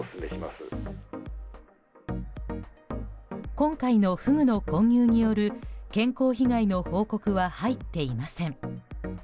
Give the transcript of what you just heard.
今回のフグの混入による健康被害の報告は入っていません。